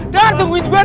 dar tungguin gua dar